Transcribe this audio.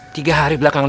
tiga hari belakang